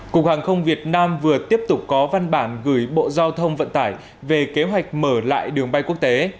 cục hàng không việt nam vừa tiếp tục có văn bản gửi bộ giao thông vận tải về kế hoạch mở lại đường bay quốc tế